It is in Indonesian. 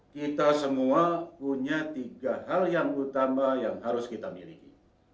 kita semua punya tiga hal yang utama yang harus kita miliki